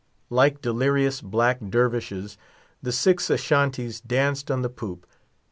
Like delirious black dervishes, the six Ashantees danced on the poop.